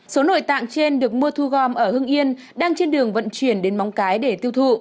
số nội tạng trên được mua thu gom ở hưng yên đang trên đường vận chuyển đến móng cái để tiêu thụ